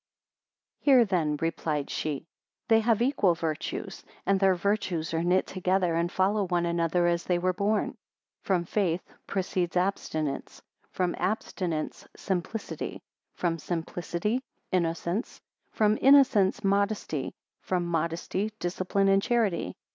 89 Hear then, replied she; they have equal virtues, and their virtues are knit together, and follow one another as they were born. 90 From Faith proceeds Abstinence; from Abstinence, Simplicity; from Simplicity, Innocence; from Innocence, Modesty; from Modesty, Discipline and Charity.